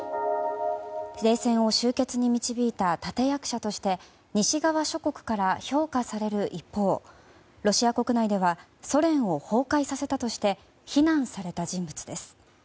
冷戦を終結に導いた立役者として西側諸国から評価される一方ロシア国内ではソ連を崩壊させたとして非難された人物です。